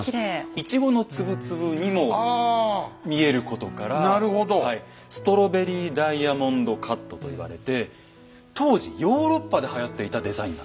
イチゴの粒々にも見えることから「ストロベリーダイヤモンドカット」と言われて当時ヨーロッパではやっていたデザインなんです。